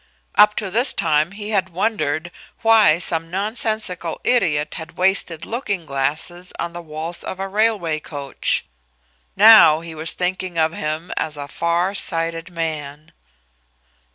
Up to this time he had wondered why some nonsensical idiot had wasted looking glasses on the walls of a railway coach; now he was thinking of him as a far sighted man.